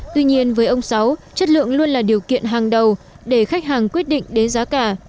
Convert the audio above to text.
tuy nhiên với ông sáu chất lượng luôn là điều kiện hàng đầu để khách hàng quyết định đến giá cả